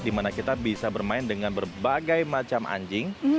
dimana kita bisa bermain dengan berbagai macam anjing